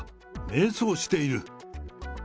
迷走している。